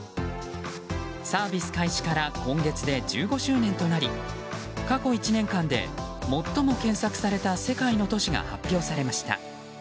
サービス開始から今月で１５周年となり過去１年間で最も検索された世界の都市が発表されました。